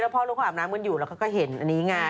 พ่อลูกเขาอาบน้ำกันอยู่แล้วเขาก็เห็นอันนี้ไง